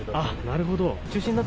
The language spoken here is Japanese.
なるほど。